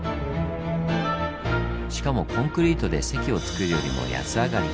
しかもコンクリートで堰をつくるよりも安上がり。